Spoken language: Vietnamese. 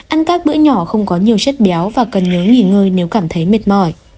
ăn các bữa nhỏ không có nhiều chất béo và cần nhớ nghỉ ngơi nếu cảm thấy mệt mỏi